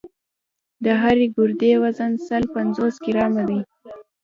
د هرې ګردې وزن سل پنځوس ګرامه دی.